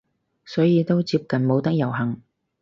所以都接近冇得遊行